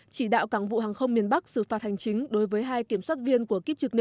chỉ đạo cảng vụ hàng không miền bắc xử phạt hành chính đối với hai kiểm soát viên của kiếp trực nêu